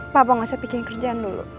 papa gak usah bikin kerjaan dulu